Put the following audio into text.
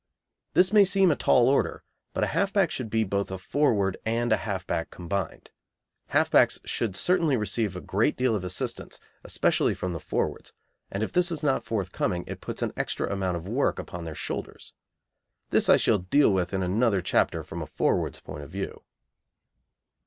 This may seem a tall order, but a half back should be both a forward and a half back combined. Half backs should certainly receive a great deal of assistance, especially from the forwards, and if this is not forthcoming it puts an extra amount of work upon their shoulders. This I shall deal with in another chapter from a forward's point of view.